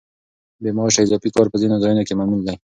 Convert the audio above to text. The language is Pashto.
بې معاشه اضافي کار په ځینو ځایونو کې معمول دی.